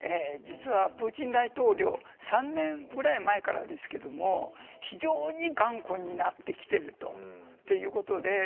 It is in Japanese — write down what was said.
実はプーチン大統領、３年ぐらい前からですけど、非常に頑固になってきていると。